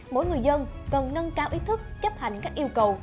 mỗi người dân cần nâng cao ý thức chấp hành các yêu cầu